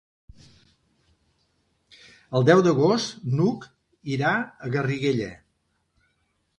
El deu d'agost n'Hug irà a Garriguella.